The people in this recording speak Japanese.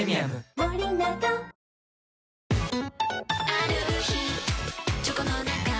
ある日チョコの中